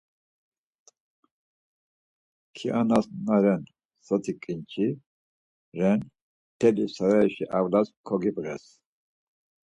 Kianas naren soti ǩinçi ren mtelli sarayiş avlas koǩibğez.